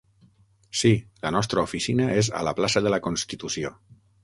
Sí, la nostra oficina és a la plaça de la Constitució.